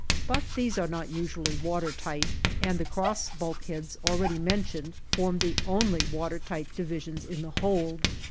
But these are not usually water tight, and the cross bulkheads already mentioned form the only water tight divisions in the hold.